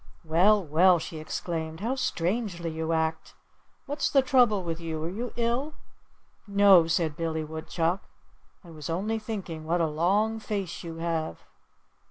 "Well! well!" she exclaimed. "How strangely you act! What's the trouble with you? Are you ill?" "No!" said Billy Woodchuck. "I was only thinking what a long face you have."